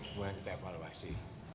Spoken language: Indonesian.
kemudian kita evaluasi